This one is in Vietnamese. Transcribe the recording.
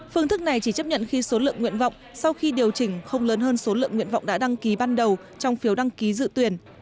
phương thức này chỉ chấp nhận khi số lượng nguyện vọng sau khi điều chỉnh không lớn hơn số lượng nguyện vọng đã đăng ký ban đầu trong phiếu đăng ký dự tuyển